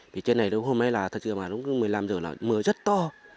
vì trên này hôm nay là thật sự là lúc một mươi năm giờ là mưa rất to